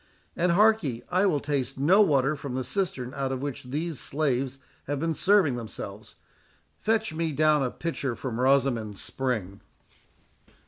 And, hark ye, I will taste no water from the cistern out of which these slaves have been serving themselves—fetch me down a pitcher from Rosamond's spring."